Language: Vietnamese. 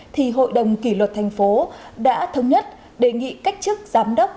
thì hội đồng kỷ luật thành phố đã thống nhất đề nghị cách chức giám đốc